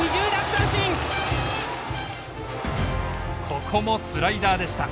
ここもスライダーでした。